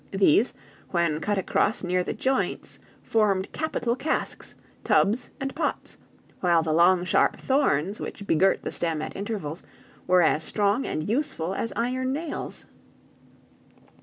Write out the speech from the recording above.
These, when cut across near the joints, formed capital casks, tubs and pots; while the long sharp thorns, which begirt the stem at intervals, were as strong and useful as iron nails.